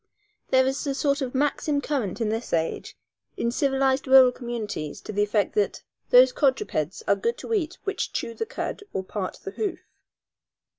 There is a sort of maxim current in this age, in civilized rural communities, to the effect that those quadrupeds are good to eat which "chew the cud or part the hoof."